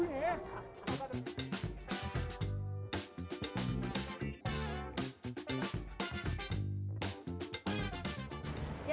jangan sempit ya